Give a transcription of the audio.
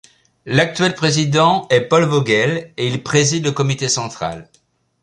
L'actuel président est Paul Vogel et il préside le comité central.